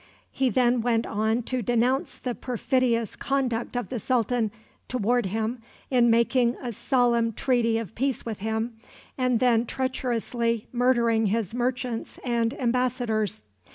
He then went on to denounce the perfidious conduct of the sultan toward him in making a solemn treaty of peace with him and then treacherously murdering his merchants and embassadors.